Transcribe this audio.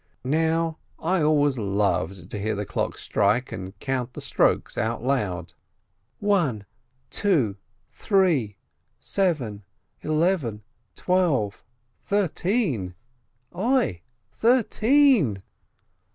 Now I always loved to hear the clock strike and count the strokes out loud: "One — two — three — seven — eleven — twelve — thir teen! Oi! Thirteen?"